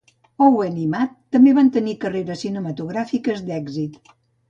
Owen i Matt també van tenir carreres cinematogràfiques d'èxit.